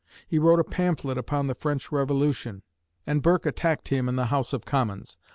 He wrote a pamphlet upon the French Revolution, and Burke attacked him in the House of Commons.